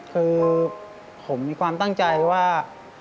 คือผมมีความตั้งใจว่า